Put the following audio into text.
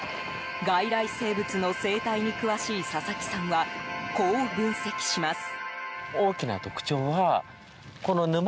外来生物の生態に詳しい佐々木さんは、こう分析します。